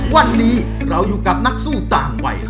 วันนี้เราอยู่กับนักสู้ต่างวัย